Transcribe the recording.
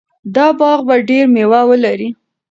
دا باغ به ډېر مېوه ولري.